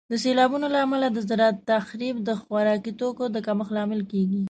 د سیلابونو له امله د زراعت تخریب د خوراکي توکو د کمښت لامل کیږي.